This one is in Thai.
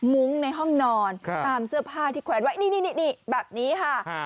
มุ้งในห้องนอนตามเสื้อผ้าที่แขวนไว้นี่แบบนี้ค่ะ